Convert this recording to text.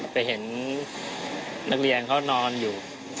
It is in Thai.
ไปเห็นนักเรียนเขานอนอยู่